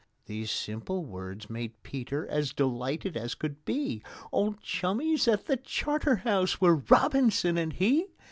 These simple words made PETER as delighted as could be, Old chummies at the Charterhouse were ROBINSON and he!